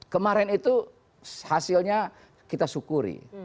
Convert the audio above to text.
kemarin itu hasilnya kita syukuri